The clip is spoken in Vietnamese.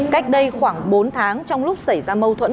cách đây khoảng bốn tháng trong lúc xảy ra mâu thuẫn